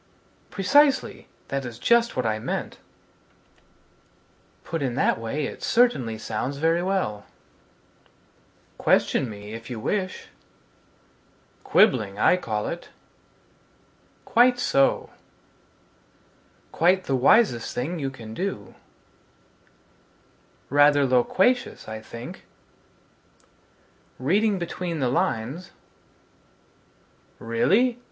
Precisely, that is just what I meant Put in that way it certainly sounds very well Q Question me, if you wish Quibbling, I call it Quite so Quite the wisest thing you can do R Rather loquacious, I think [loquacious = very talkative] Reading between the lines Really?